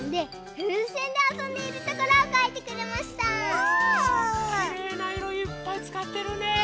きれいないろいっぱいつかってるね。